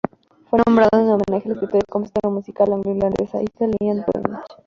Fue nombrado en homenaje a la escritora y compositora musical anglo-irlandesa Ethel Lilian Voynich.